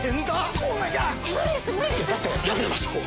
「やめましょう」